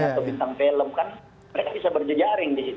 atau bintang film kan mereka bisa berjaring disitu